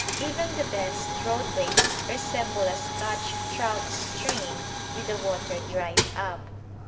Even the best roadways resemble a Scotch trout stream with the water dried up.